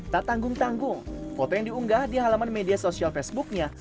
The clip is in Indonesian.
tak tanggung tanggung foto yang diunggah di halaman media sosial facebooknya